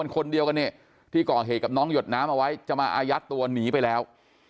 คนเดียวกันเนี่ยที่ก่อเหตุกับน้องหยดน้ำเอาไว้จะมาอายัดตัวหนีไปแล้ว